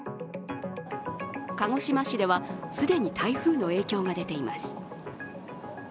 鹿児島市では既に台風の影響が出ています。